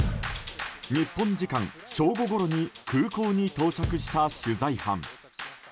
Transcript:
日本時間正午ごろに空港に到着した取材班。